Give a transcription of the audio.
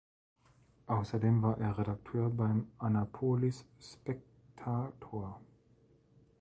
Außerdem war er Redakteur beim "Annapolis Spectator".